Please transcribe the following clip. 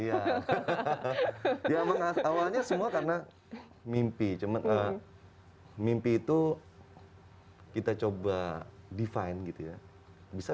ya ya awalnya semua karena mimpi cuman mimpi itu kita coba define gitu ya bisa